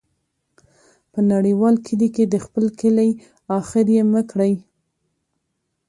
په نړیوال کلي کې د خپل کلی ، اخر یې مه کړې.